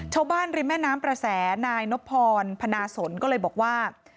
ชาวบ้านริมแม่น้ำประแสนายนบพรพนาสนก็เลยบอกว่า